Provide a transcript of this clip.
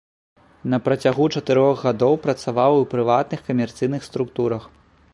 На працягу чатырох гадоў працаваў у прыватных камерцыйных структурах.